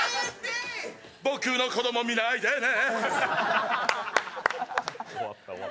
僕の子供見ないでね。